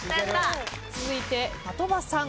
続いて的場さん。